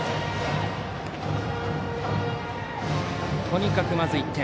とにかく、まず１点。